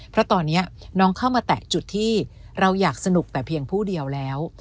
เพราะตอนนี้น้องเข้ามาแตะจุดที่เราอยากสนุกแต่เพียงผู้เดียวแล้ว